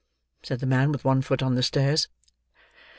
said the man, with one foot on the stairs.